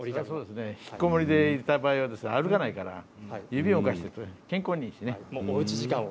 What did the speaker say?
引きこもりでいた場合は歩かないから、ただ指を動かして健康にいいですね。